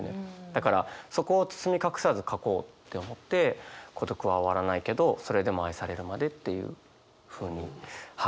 だからそこを包み隠さず書こうって思って孤独は終わらないけどそれでも愛されるまでっていうふうに書きました。